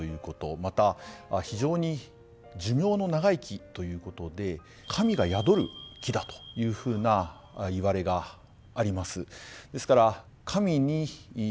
また非常に寿命の長い木ということで神が宿る木だというふうないわれがあります。